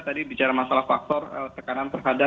tadi bicara masalah faktor tekanan terhadap